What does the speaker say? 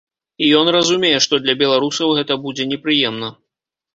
І ён разумее, што для беларусаў гэта будзе непрыемна.